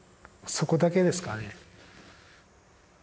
そこだけですかね。